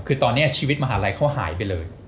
คือตอนนี้ชีวิตมหาลัยเขาหายไปเลย